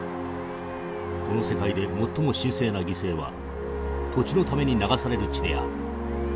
この世界で最も神聖な犠牲は土地のために流される血である。